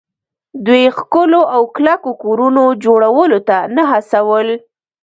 دوی ښکلو او کلکو کورونو جوړولو ته نه هڅول